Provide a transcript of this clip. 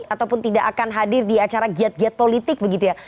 ataupun tidak akan hadir di acara giat giat politik begitu ya